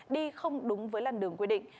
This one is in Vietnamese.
đi không đúng với làn đường quy định